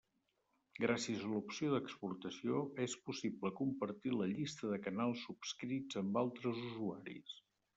Gràcies a l'opció d'exportació, és possible compartir la llista de canals subscrits amb altres usuaris.